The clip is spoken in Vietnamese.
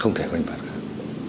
không thể có hình phạt khác